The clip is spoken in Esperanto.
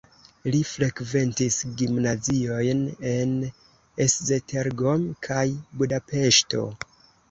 Li frekventis gimnaziojn en Esztergom kaj Budapeŝto.